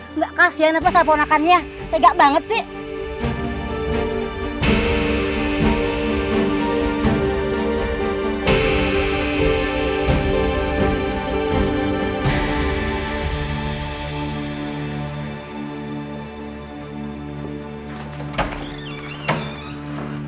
enggak kasihan apa saya ponakannya tegak banget sih